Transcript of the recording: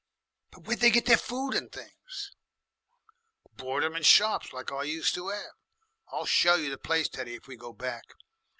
"But where'd they get their food and things?" "Bort 'em in shops like I used to 'ave. I'll show you the place, Teddy, if we go back.